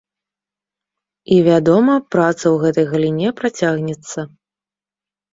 І, вядома, праца ў гэтай галіне працягнецца.